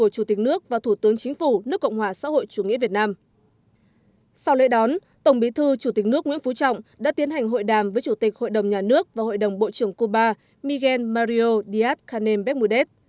sau lễ đón tổng bí thư chủ tịch nước nguyễn phú trọng đã tiến hành hội đàm với chủ tịch hội đồng nhà nước và hội đồng bộ trưởng cuba miguel mario díaz canem becmudez